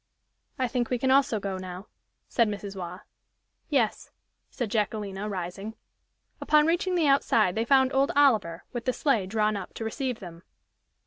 "I think we can also go now," said Mrs. Waugh. "Yes," said Jacquelina, rising. Upon reaching the outside, they found old Oliver, with the sleigh drawn up to receive them.